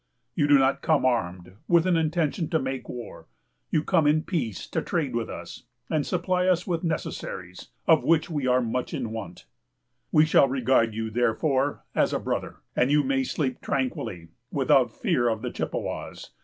You do not come armed, with an intention to make war; you come in peace, to trade with us, and supply us with necessaries, of which we are in much want. We shall regard you, therefore, as a brother; and you may sleep tranquilly, without fear of the Chippewas.